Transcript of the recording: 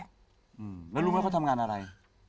แล้วรู้ไหมว่าเขาทำงานอะไร